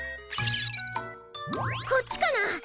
こっちかな？